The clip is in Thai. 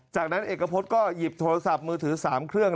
จากนั้นเอกพฤษก็หยิบโทรศัพท์มือถือ๓เครื่อง